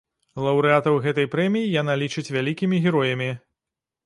Лаўрэатаў гэтай прэміі яна лічыць вялікімі героямі.